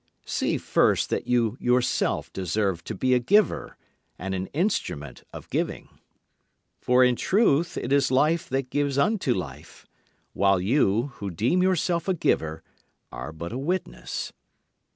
See first that you yourself deserve to be a giver, and an instrument of giving. For in truth it is life that gives unto life while you, who deem yourself a giver, are but a witness.